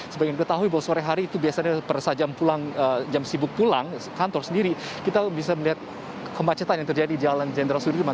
sebagai ketahui bahwa sore hari itu biasanya jam sibuk pulang kantor sendiri kita bisa melihat kemacetan yang terjadi di jalan jenderal sudirman